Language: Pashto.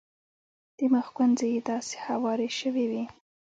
د مخ ګونځې یې داسې هوارې شوې وې.